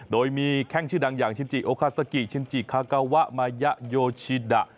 โดยมีแข้งชื่อดังอย่างชินจิโอคาซากิชินจิคากาวะมายะโยชิดะ